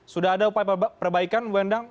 sudah ada upaya perbaikan bu endang